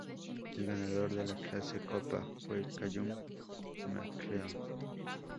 El ganador de la clase Copa fue Callum MacLeod.